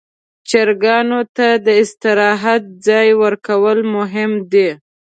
چرګانو ته د استراحت ځای ورکول مهم دي.